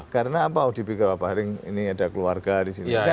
karena apa oh di bkw paharing ini ada keluarga di sini